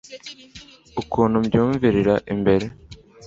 ukuntu mbyumvirira imbere